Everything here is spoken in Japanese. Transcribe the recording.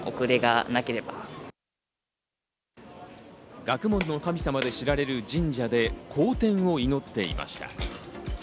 学問の神様で知られる神社で好天を祈っていました。